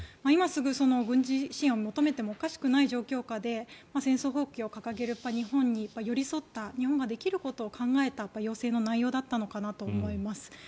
今すぐ軍事支援を求めてもおかしくない状況下で戦争放棄を掲げる日本に寄り添った日本ができることを考えた要請の内容だったのかと思います。